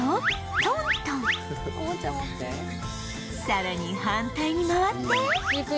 さらに反対に回って